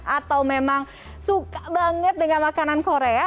atau memang suka banget dengan makanan korea